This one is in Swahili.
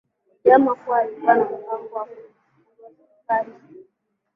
kwa jama kuwa alikuwa na mpango wa kuipindua serikali hiyo